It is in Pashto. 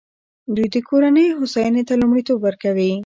دوی د کورنیو هوساینې ته لومړیتوب ورکوي.